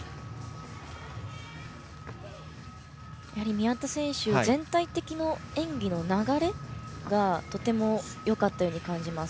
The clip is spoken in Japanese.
宮田選手は全体的な演技の流れがとてもよかったように感じます。